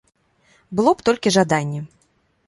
Было б толькі жаданне.